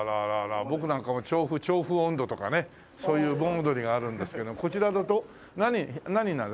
僕なんかも『調布音頭』とかねそういう盆踊りがあるんですけどこちらだと何になるの？